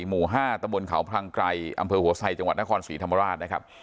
หมู่๕ตะบนเขาพลังไกรอำเภอหัวไซจังหวัดนครศรีธรรมราชนะครับ